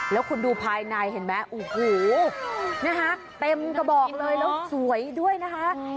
แล้วคุณดูภายในเห็นไหมโอ้โหนะคะเต็มกระบอกเลยแล้วสวยด้วยนะคะ